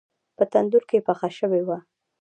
په تندور کې پخه شوې وه.